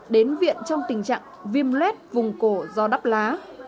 đến viện trong tình trạng viêm lết vùng cổ do đắp lá